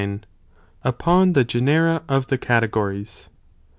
— Upon the Genera of the Categories.